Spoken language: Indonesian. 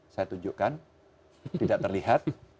saya tunjukkan tidak terlihat